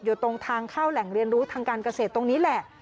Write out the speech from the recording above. อยู่ตรงทางเข้าแหล่งเรียนรู้ทางการเกษตรตรงนี้แหละ